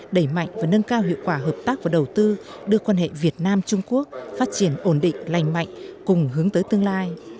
đẩy mạnh và nâng cao hiệu quả hợp tác và đầu tư đưa quan hệ việt nam trung quốc phát triển ổn định lành mạnh cùng hướng tới tương lai